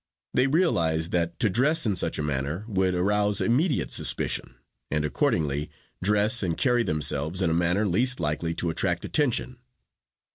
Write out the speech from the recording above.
They realize that to dress in such a manner would arouse immediate suspicion, and, accordingly, dress and carry themselves in a manner least likely to attract attention.